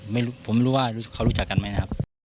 ไม่รู้ผมไม่รู้ว่าเขารู้จักกันไหมนะครับ